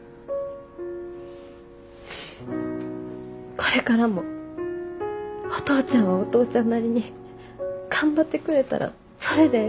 これからもお父ちゃんはお父ちゃんなりに頑張ってくれたらそれでええ。